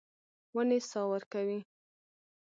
ونې سا ورکوي.